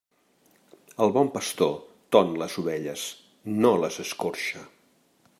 El bon pastor ton les ovelles, no les escorxa.